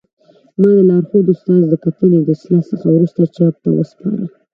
ما د لارښود استاد د کتنې او اصلاح څخه وروسته چاپ ته وسپاره